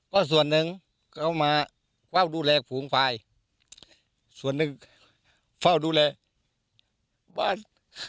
ก็ส่วนหนึ่งเขามาเฝ้าดูแลฝูงควายส่วนหนึ่งเฝ้าดูแลบ้าน